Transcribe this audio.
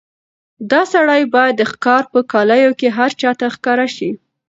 دا سړی باید د ښکار په کالیو کې هر چا ته ښکاره شي.